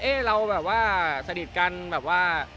เอ๊ะเราสนิทกันแบบว่า